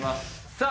さあ